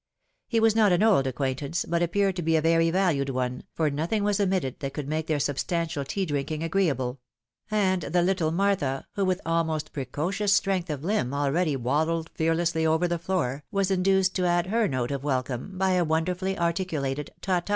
He was not an old acquaintance, but appeared ANNOYANCES AT THE CAKD TABLE. 23 to be a very valued one, for nothing was omitted that could make their substantial tea drinking agreeable ; and the httle Martha, who with almost precocious strength of limb already waddled fearlessly over the floor, was induced to add her note of welcome, by a wonderfully articulated " ta, ta."